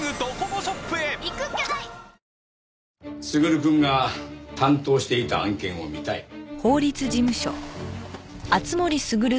優くんが担当していた案件を見たい？